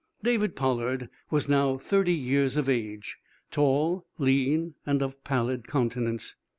David Pollard was now thirty years of age, tall, lean and of pallid countenance.